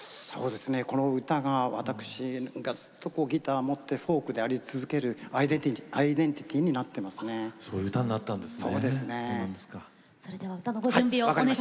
この歌が私が、ずっとギターを持ってフォークであり続けるアイデンティティーになっているんですね。